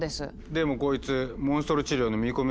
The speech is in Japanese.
でもこいつモンストロ治療の見込みあるだろ。